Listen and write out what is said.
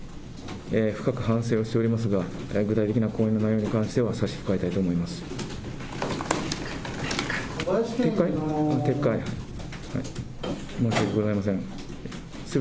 深く反省をしておりますが、具体的な講演の内容に関しては差し控えたいと思います。